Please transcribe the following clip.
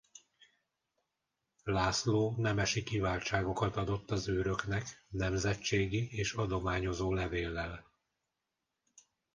László nemesi kiváltságokat adott az őröknek nemzetségi és adományozó levéllel.